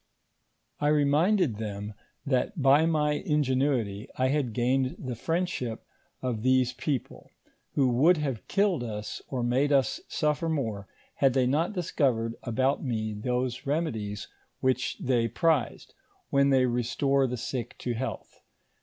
I reminded them DISCOVERIES IN THE MISSISSIPPI VALLEY. 133 that by my ingenuity I had gained the friendship of these people, who wonld have killed us or made us suffer more, had they not discovered about me those remedies which they pri.^ , when they restore the sick to health.